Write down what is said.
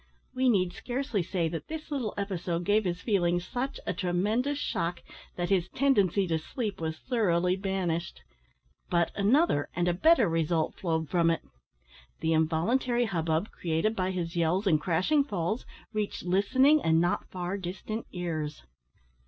We need scarcely say that this little episode gave his feelings such a tremendous shock that his tendency to sleep was thoroughly banished; but another and a better result flowed from it, the involuntary hubbub created by his yells and crashing falls reached listening and not far distant ears.